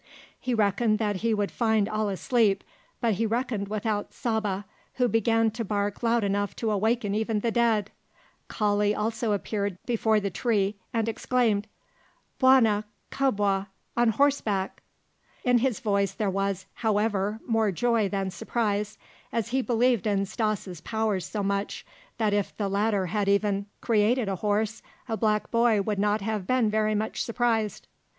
He reckoned that he would find all asleep, but he reckoned without Saba, who began to bark loud enough to awaken even the dead. Kali also appeared before the tree and exclaimed: "Bwana kubwa! On horseback!" In his voice there was, however, more joy than surprise, as he believed in Stas' powers so much that if the latter had even created a horse, the black boy would not have been very much surprised.